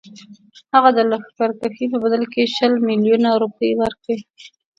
هغه د لښکرکښۍ په بدل کې شل میلیونه روپۍ ورکړي.